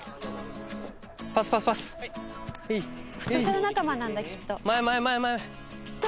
フットサル仲間なんだきっと。